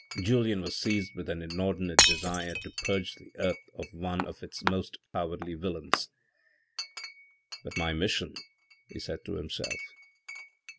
Julien was seized with an inordinate desire to purge the earth of one of its most cowardly villains; " But my mission," he said to himself.